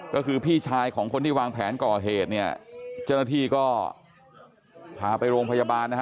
ก็คือพี่ชายของคนที่วางแผนก่อเหตุเนี่ยเจ้าหน้าที่ก็พาไปโรงพยาบาลนะฮะ